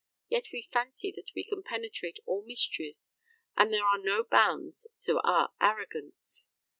Yet we fancy that we can penetrate all mysteries, and there are no bounds to our arrogance.